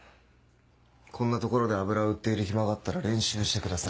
こんなところで油を売っている暇があったら練習してください。